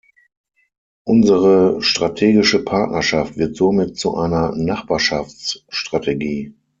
Unsere strategische Partnerschaft wird somit zu einer Nachbarschaftsstrategie.